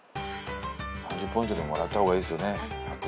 ３０ポイントでももらえた方がいいですよね。